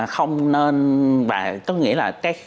không nên và có nghĩa là cái